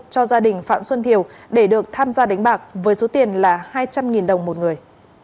cho gia đình phạm xuân thiều để được tham gia đánh bạc với số tiền là hai trăm linh đồng một người